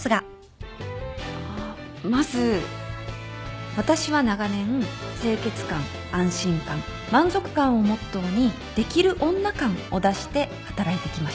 あっまず私は長年清潔感安心感満足感をモットーにできる女感を出して働いてきました。